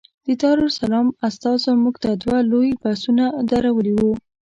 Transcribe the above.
د دارالسلام استازو موږ ته دوه لوی بسونه درولي وو.